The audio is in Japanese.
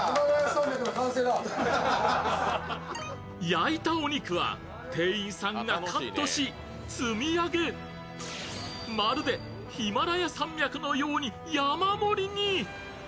焼いたお肉は店員さんがカットし、積み上げ、まるでヒマラヤ山脈のように山盛りに。